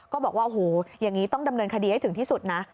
ก็บอกว่าโอ้โหอย่างนี้ต้องดำเนินคดีให้ถึงที่สุดนะ